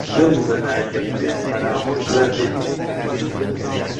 دڵ لە لای یەک بێ فەرامۆش نابێ